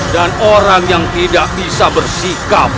dan orang yang tidak bisa bersikap